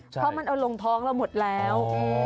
เพราะมันเอาลงท้องเราหมดแล้ว